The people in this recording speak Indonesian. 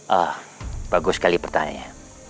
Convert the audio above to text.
ah bagus sekali pertanyaannya